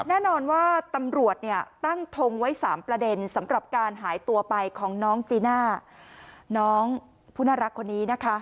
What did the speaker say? แน่นอนว่าตำรวจเนี่ยตั้งทงไว้๓ประเด็นสำหรับการหายตัวไปของน้องจีน่าน้องผู้น่ารักคนนี้นะคะ